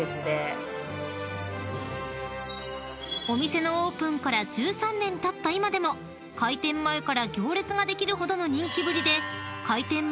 ［お店のオープンから１３年たった今でも開店前から行列ができるほどの人気ぶりで］